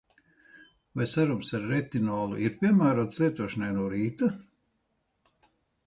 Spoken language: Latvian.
Vai serums ar retinolu ir piemērots lietošanai no rīta?